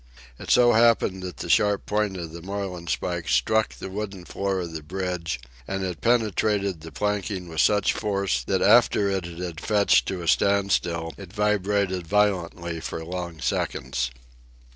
It so happened that the sharp point of the marlin spike struck the wooden floor of the bridge, and it penetrated the planking with such force that after it had fetched to a standstill it vibrated violently for long seconds.